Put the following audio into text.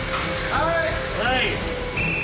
はい！